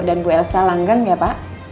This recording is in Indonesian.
dan bu elsa langgan ya pak